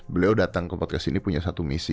beliau datang ke podcast ini punya satu misi